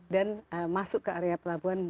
dan masuk ke area pelabuhan